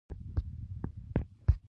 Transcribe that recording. مسوولیت پیژندل مهم دي